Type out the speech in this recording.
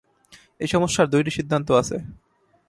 এই সমস্যার দুইটি সিদ্ধান্ত আছে।